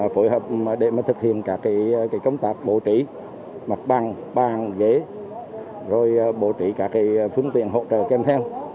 phối hợp để thực hiện các công tác bổ trí mặt bằng bàn ghế rồi bổ trí các phương tiện hỗ trợ kèm theo